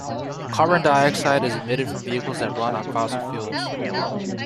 Carbon dioxide is emitted from vehicles that run on fossil fuels.